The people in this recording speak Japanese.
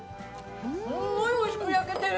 すごいおいしく焼けてる。